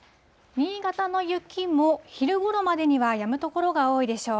新潟の雪も、昼ごろまでにはやむ所が多いでしょう。